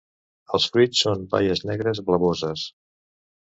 Els fruits són baies negres blavoses.